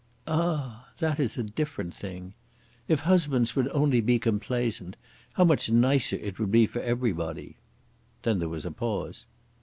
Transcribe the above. "Ah h! That is a different thing. If husbands would only be complaisant, how much nicer it would be for everybody." Then there was a pause.